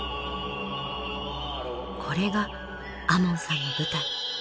これが亞門さんの舞台。